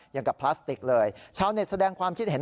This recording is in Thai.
อย่างกับพลาสติกเลยชาวเน็ตแสดงความคิดเห็น